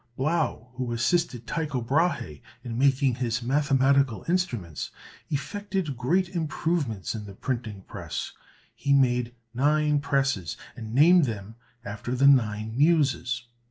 Blaeu, who assisted Tycho Brahe in making his mathematical instruments, effected great improvements in the printing press. He made nine presses, and named them after the nine Muses.